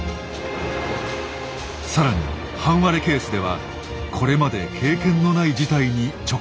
更に半割れケースではこれまで経験のない事態に直面します。